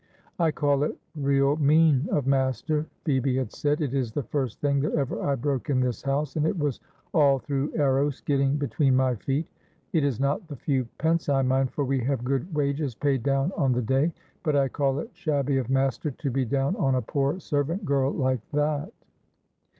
"'I call it real mean of master,' Phoebe had said; 'it is the first thing that ever I broke in this house, and it was all through Eros getting between my feet. It is not the few pence I mind, for we have good wages paid down on the day, but I call it shabby of master to be down on a poor servant girl like that.'